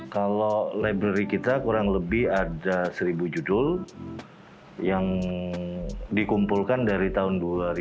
kalau library kita kurang lebih ada seribu judul yang dikumpulkan dari tahun dua ribu